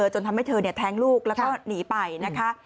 จนทำให้เธอแท้งลูกแล้วก็หนีไปนะคะ